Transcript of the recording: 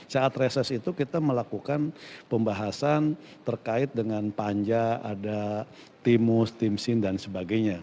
saat reses itu kita melakukan pembahasan terkait dengan panja ada timus timsin dan sebagainya